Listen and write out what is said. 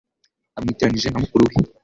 amwitiranije na mukuru we.